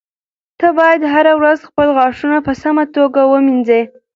ته باید هره ورځ خپل غاښونه په سمه توګه ومینځې.